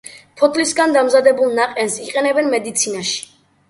ფოთლისაგან დამზადებულ ნაყენს იყენებენ მედიცინაში.